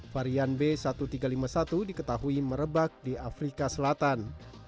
varian b satu tiga lima satu diketahui merebak di afrika selatan